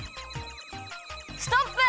ストップ！